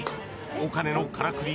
お金のからくり